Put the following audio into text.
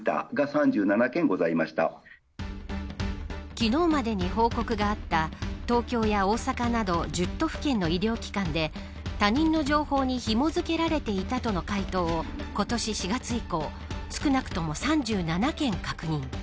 昨日までに報告があった東京や大阪など１０都府県の医療機関で、他人の情報にひも付けられていたとの回答を今年４月以降少なくとも３７件を確認。